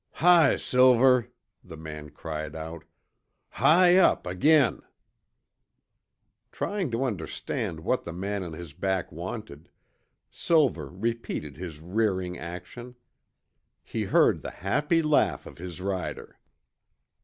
"High, Silver!" the man cried out. "High up again!" Trying to understand what the man on his back wanted, Silver repeated his rearing action. He heard the happy laugh of his rider.